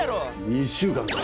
「２週間か」